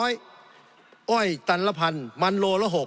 สงบจนจะตายหมดแล้วครับ